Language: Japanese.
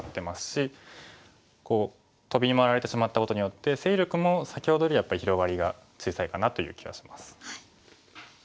こうトビに回られてしまったことによって勢力も先ほどよりやっぱり広がりが小さいかなという気がします。